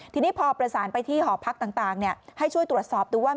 ทีนี้พอประสานไปที่หอพักต่างให้ช่วยตรวจสอบดูว่า